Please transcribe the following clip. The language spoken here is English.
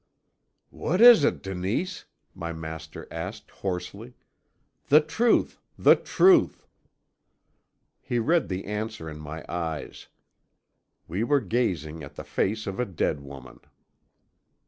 "'What is it, Denise?' my master asked hoarsely. 'The truth the truth!' "He read the answer in my eyes. We were gazing on the face of a dead woman!